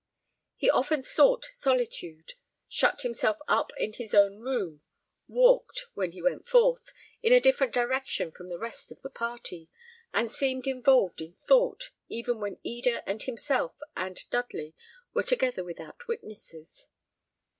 He often sought solitude, shut himself up in his own room, walked, when he went forth, in a different direction from the rest of the party, and seemed involved in thought, even when Eda and himself, and Dudley, were together without witnesses.